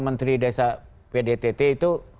menteri desa pdtt itu